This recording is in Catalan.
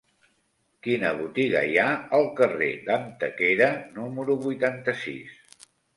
Quina botiga hi ha al carrer d'Antequera número vuitanta-sis?